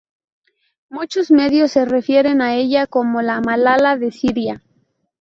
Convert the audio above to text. Muchos medios se refieren a ella como la "Malala de Siria".